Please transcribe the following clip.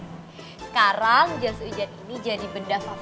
sekarang jas ujan ini jadi benda favorit aku